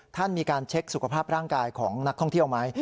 ท่านมีการเช็คสุขภาพร่างกายของนักท่องเที่ยวไหม